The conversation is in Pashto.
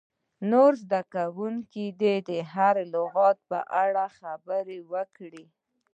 نور زده کوونکي دې د هر لغت په اړه خبرې وکړي.